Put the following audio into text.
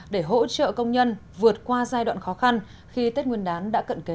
để hỗ trợ công nhân vượt qua giai đoạn khó khăn khi tết nguyên đán đã cận kề